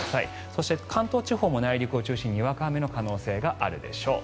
そして関東地方も内陸を中心ににわか雨の可能性があるでしょう。